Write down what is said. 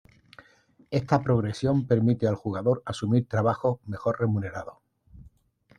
Esta progresión permite al jugador asumir trabajos mejor remunerados.